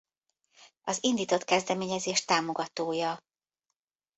A indított kezdeményezés támogatója.